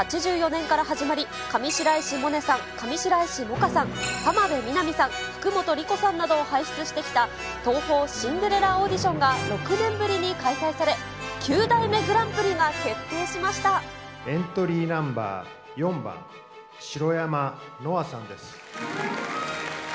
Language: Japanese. １９８４年から始まり、上白石萌音さん、上白石萌歌さん、浜辺美波さん、福本莉子さんなどを輩出してきた、東宝シンデレラオーディションが６年ぶりに開催され、９代目グラエントリーナンバー４番、白山乃愛さんです。